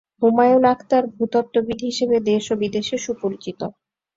হুমায়ুন আখতার ভূতত্ত্ববিদ হিসেবে দেশ ও বিদেশে সুপরিচিত।